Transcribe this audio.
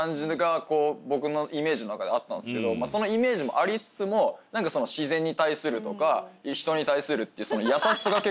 があったんですけどそのイメージもありつつも何か自然に対するとか人に対するっていう。